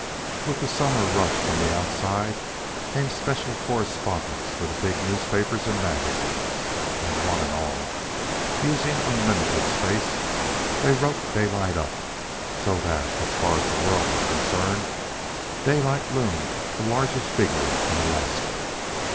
With the summer rush from the Outside came special correspondents for the big newspapers and magazines, and one and all, using unlimited space, they wrote Daylight up; so that, so far as the world was concerned, Daylight loomed the largest figure in Alaska.